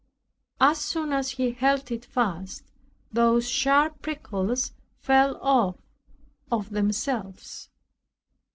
As soon as he held it fast, those sharp prickles fell off, of themselves.